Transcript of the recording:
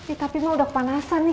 eh tapi emak udah kepanasan nih